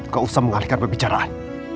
gak usah mengalihkan perbicaraan